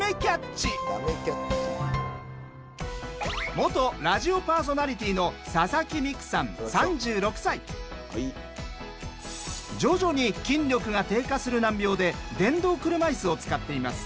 元ラジオパーソナリティーの徐々に筋力が低下する難病で電動車いすを使っています。